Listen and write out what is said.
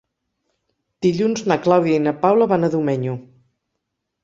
Dilluns na Clàudia i na Paula van a Domenyo.